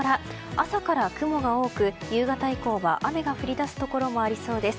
朝から雲が多く、夕方以降は雨が降り出すところもありそうです。